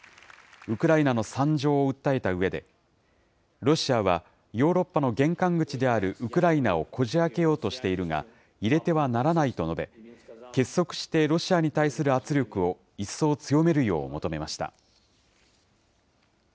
ウクライナの惨状を訴えたうえで、ロシアはヨーロッパの玄関口であるウクライナをこじあけようとしているが、入れてはならないと述べ、結束してロシアに対する圧力を一層強めるよう求めました。